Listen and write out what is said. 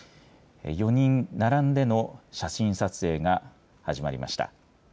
４人並んでの写真撮影が始まりました。